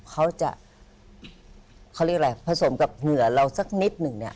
เขาจะเขาเรียกอะไรผสมกับเหงื่อเราสักนิดหนึ่งเนี่ย